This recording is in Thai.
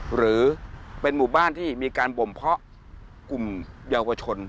หรือเป็นหมู่บ้านที่มีการบ่มเพาะกลุ่มเยาวชน